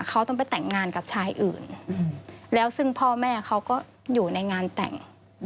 เขาต้องไปแต่งงานกับชายอื่นแล้วซึ่งพ่อแม่เขาก็อยู่ในงานแต่ง